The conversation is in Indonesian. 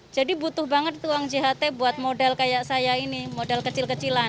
jadi butuh banget uang jht buat modal kayak saya ini modal kecil kecilan